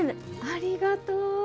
ありがとう。